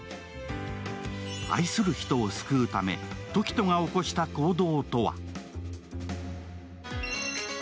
愛する人を救うため時翔が起こした行動とは。